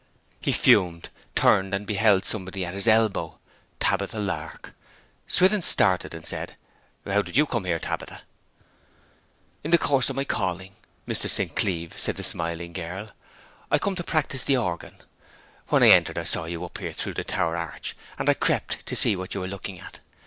He fumed, turned, and behold somebody was at his elbow: Tabitha Lark. Swithin started, and said, 'How did you come here, Tabitha?' 'In the course of my calling, Mr. St. Cleeve,' said the smiling girl. 'I come to practise on the organ. When I entered I saw you up here through the tower arch, and I crept up to see what you were looking at.